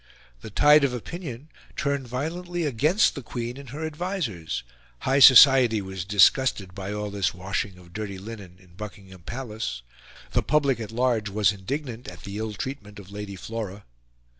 The tide of opinion turned violently against the Queen and her advisers; high society was disgusted by all this washing of dirty linen in Buckingham Palace; the public at large was indignant at the ill treatment of Lady Flora.